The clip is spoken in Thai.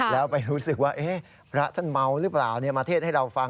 แล้วไปรู้สึกว่าพระท่านเมาหรือเปล่ามาเทศให้เราฟัง